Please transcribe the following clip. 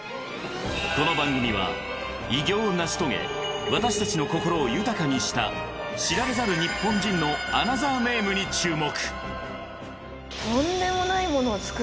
この番組は偉業を成し遂げ私たちの心を豊かにした知られざる日本人のアナザーネームに注目